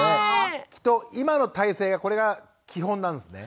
きっと今の体勢がこれが基本なんですね。